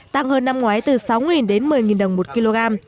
tăng hơn năm ngoái từ sáu đến một mươi đồng một kg